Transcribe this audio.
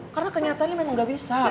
karena kenyataannya memang gak bisa